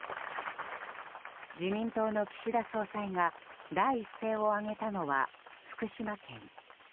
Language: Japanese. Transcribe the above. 自民党の岸田総裁が第一声を上げたのは福島県。